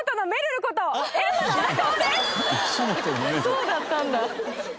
そうだったんだ。